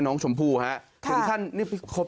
ก็ตอบได้คำเดียวนะครับ